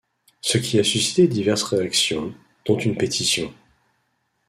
Ce qui a suscité diverses réactions, dont une pétition.